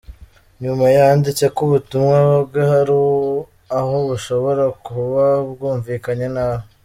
Nyuma yanditse ko ubutumwa bwe hari aho bushobora kuba bwumvikanye nabi.